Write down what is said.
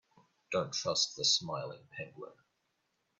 Don't trust the smiling penguin.